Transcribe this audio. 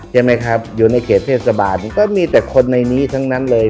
ใช่ไหมครับอยู่ในเขตเทศบาลก็มีแต่คนในนี้ทั้งนั้นเลย